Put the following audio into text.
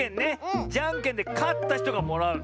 じゃんけんでかったひとがもらう。